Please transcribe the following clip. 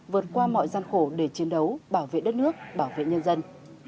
vượt qua mọi gian khổ để chiến đấu bảo vệ đất nước bảo vệ nhân dân